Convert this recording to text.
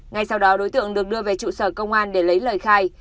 ngay sau đó đối tượng được đưa về trụ sở công an để lấy lời khai